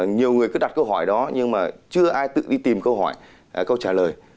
nhiều người cứ đặt câu hỏi đó nhưng mà chưa ai tự đi tìm câu hỏi câu trả lời